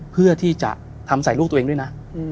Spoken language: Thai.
เพื่อที่จะทำใส่ลูกตัวเองด้วยนะ